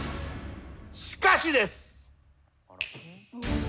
しかしです。